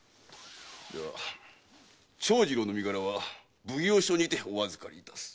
長次郎の身柄は奉行所にてお預かりいたす。